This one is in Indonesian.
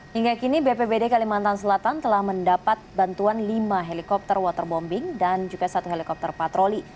hingga kini bpbd kalimantan selatan telah mendapat bantuan lima helikopter waterbombing dan juga satu helikopter patroli